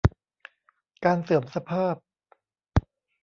การเสื่อมสภาพ